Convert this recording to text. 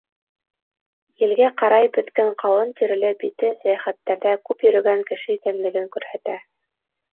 Елгә ҡарайып бөткән ҡалын тиреле бите сәйәхәттәрҙә күп йөрөгән кеше икәнлеген күрһәтә.